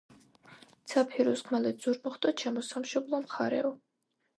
ცა ფირუზ, ხმელეთ-ზურმუხტო, ჩემო სამშობლო მხარეო